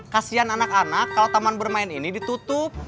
kasian anak anak kalau taman bermain ini ditutup